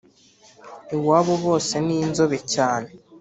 Iwabo bose n’inzobe cyane